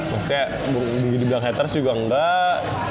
maksudnya begini bilang haters juga enggak